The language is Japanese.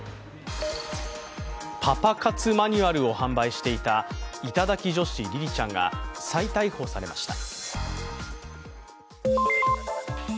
パパ活マニュアルを販売していた頂き女子・りりちゃんが再逮捕されました。